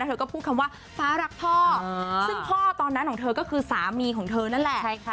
เธอก็พูดคำว่าฟ้ารักพ่อซึ่งพ่อตอนนั้นของเธอก็คือสามีของเธอนั่นแหละ